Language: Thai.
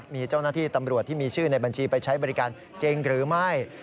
มีเจ้าหน้าที่ตำรวจที่มีชื่อในบัญชีไปใช้บริการจริงหรือไม่